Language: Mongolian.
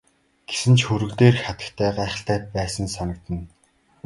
Гэсэн ч хөрөг дээрх хатагтай гайхалтай байсан санагдана.